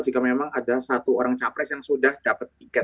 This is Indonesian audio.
jika memang ada satu orang capres yang sudah dapat tiket